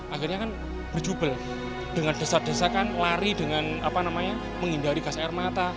akhirnya kan berjubel dengan desa desa kan lari dengan apa namanya menghindari gas air mata